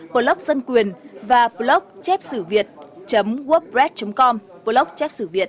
blog dân quyền và blog chép xử việt workbred com blog chép xử việt